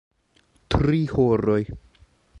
Tri horoj.